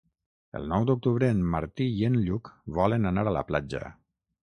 El nou d'octubre en Martí i en Lluc volen anar a la platja.